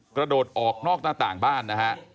กระโดดออกนอกหน้าต่างบ้านนะฮะ